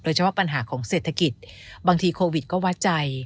โดยเฉพาะปัญหาของเศรษฐกิจ